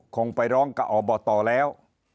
คงไปร้องกับอบตแล้ว